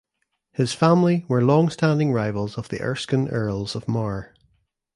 His family were longstanding rivals of the Erskine Earls of Mar.